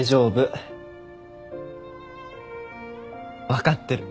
分かってる。